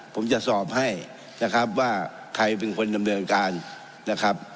ผมจะสอบให้นะครับว่าใครเป็นคนดำเนินการนะครับ